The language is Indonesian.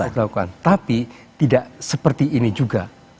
tidak dilakukan tapi tidak seperti ini juga